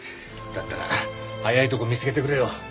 だったら早いとこ見つけてくれよ。